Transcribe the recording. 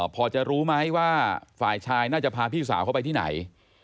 พอจะรู้ไหมว่าฝ่ายชายน่าจะพาพี่สาวเข้าไปที่ไหน